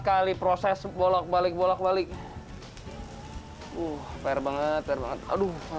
kali proses bolak balik bolak balik uh fair banget aduh panas syampun aduh mata aing perihai